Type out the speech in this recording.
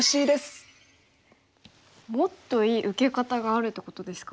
もっといい受け方があるってことですか？